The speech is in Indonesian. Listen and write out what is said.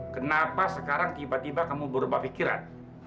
kenapa sekarang tiba tiba kamu berubah pikiran